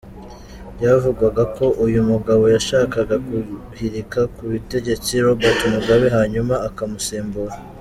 Byavugwaga ko uyu mugabo yashakaga guhirika ku butegetsi Robert Mugabe hanyuma akamusimbura.